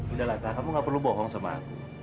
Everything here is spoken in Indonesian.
udah lah kak kamu gak perlu bohong sama aku